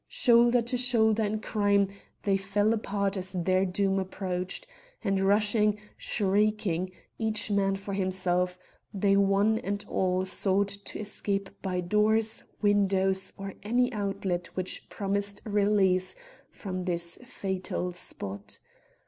Shoulder to shoulder in crime, they fell apart as their doom approached; and rushing, shrieking, each man for himself, they one and all sought to escape by doors, windows or any outlet which promised release from this fatal spot.